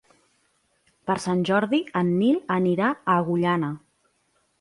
Per Sant Jordi en Nil anirà a Agullana.